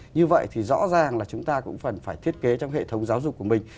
như vậy thì rõ ràng là chúng ta cũng cần phải thiết kế trong hệ thống giáo dục của mình